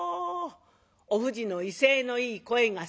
おふじの威勢のいい声がする。